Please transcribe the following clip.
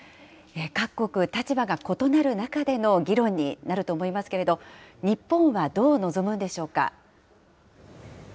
各国、立場が異なる中での議論になると思いますけれど、日本はどう臨むんでしょうか。